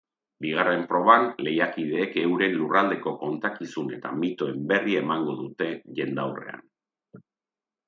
Bigarren proban, lehiakideek euren lurraldeko kontakizun eta mitoen berri emango dute jendaurrean.